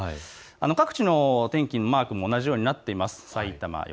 各地の天気のマークも同じようになっています。